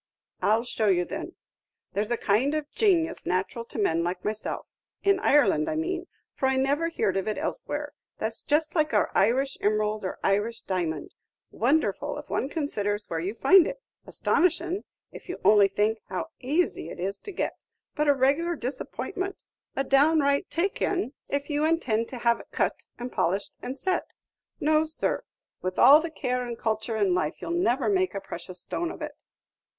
"I'll show you, then. There's a kind of janius natural to men like myself, in Ireland I mean, for I never heerd of it elsewhere, that's just like our Irish emerald or Irish diamond, wonderful if one considers where you find it, astonishin' if you only think how azy it is to get, but a regular disappointment, a downright take in, if you intend to have it cut and polished and set. No, sir; with all the care and culture in life, you 'll never make a precious stone of it!"